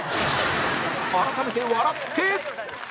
改めて笑って！